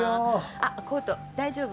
あっコート大丈夫？